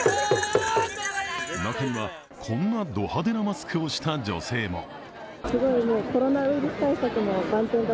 中には、こんなド派手なマスクをした女性も。